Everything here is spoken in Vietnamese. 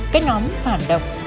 cách nóng phản động